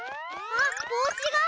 あっぼうしが！